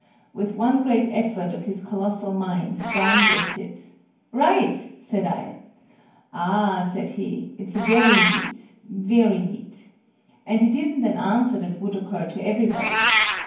With one great effort of his colossal mind, Brown guessed it. "Right!" said I. "Ah," said he, "it's very neat very neat. And it isn't an answer that would occur to everybody.